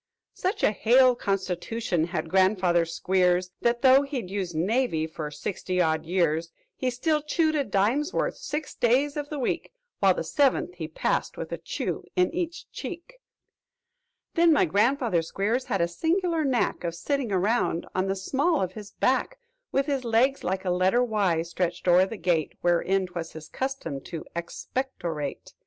"Such a hale constitution had grandfather Squeers That, though he'd used 'navy' for sixty odd years, "He still chewed a dime's worth six days of the week, While the seventh he passed with a chew in each cheek: "Then my grandfather Squeers had a singular knack Of sitting around on the small of his back, "With his legs like a letter Y stretched o'er the grate Wherein 'twas his custom to ex pec tor ate.